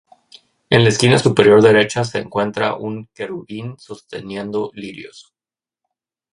En la esquina superior derecha se encuentra un querubín sosteniendo lirios.